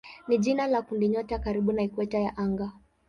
ni jina la kundinyota karibu na ikweta ya anga.